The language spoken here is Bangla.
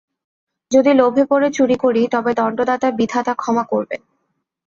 যদি লোভে পড়ে চুরি করি তবে দণ্ডদাতা বিধাতা ক্ষমা করবেন!